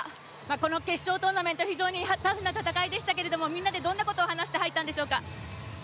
この決勝トーナメントタフな戦いでしたけどみんなでどんなことを話して入ったんでしょうか？